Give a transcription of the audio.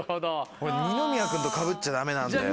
俺二宮君とかぶっちゃダメなんだよな。